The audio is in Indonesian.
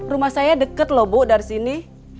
rumah saya dekat loh bu dari sini